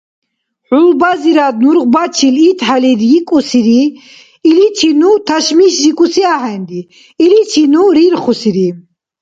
ХӀулбазир нургъбачил итхӀели рикӀусири: «Иличи ну ташмишрикӀуси ахӀенри, иличи ну рирхусири».